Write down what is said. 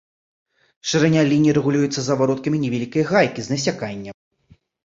Шырыня лініі рэгулюецца завароткам невялікай гайкі з насяканнем.